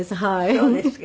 そうですか。